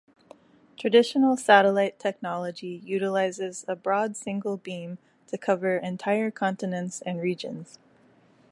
Traditional satellite technology utilizes a broad single beam to cover entire continents and regions.